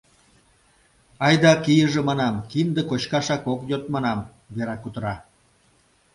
Айда кийыже, манам, кинде кочкашак ок йод, манам, — Вера кутыра.